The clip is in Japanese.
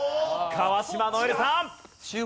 川島如恵留さん！